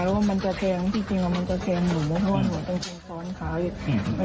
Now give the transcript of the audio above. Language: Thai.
แล้วมันจะแทนจริงมันจะแทนหนูง่อมั้ยหนูต้องคงซ้อนขาย